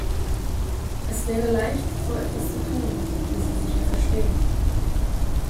Es wäre leicht, so etwas zu tun, wie Sie sicher verstehen.